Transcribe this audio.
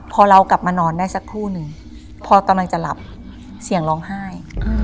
พอเรากลับมานอนได้สักครู่นึงพอกำลังจะหลับเสียงร้องไห้